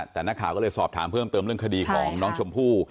แต่นักข่าวก็เลยสอบถามเพิ่มเติมเรื่องคดีของน้องชมพู่